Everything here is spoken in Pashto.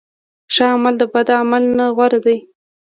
ښه عمل د بد عمل نه غوره دی.